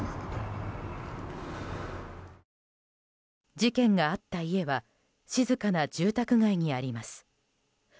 事件があった家は静かな住宅街にあります。